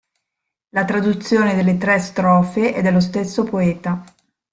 La traduzione delle tre strofe è dello stesso poeta.